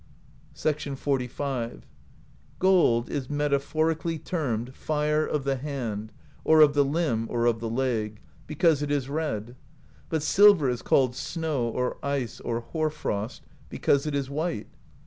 XLV. "Gold is metaphorically termed Fire of the Hand, or of the Limb, or of the Leg, because it is red; but silver is called Snow, or Ice, or Hoar Frost, because it is white.